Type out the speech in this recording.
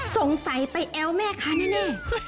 สงสัยไปแอ้วแม่ค้าแน่